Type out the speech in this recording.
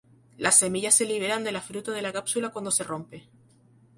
Las semillas se liberan de la fruta de la cápsula cuando se rompe.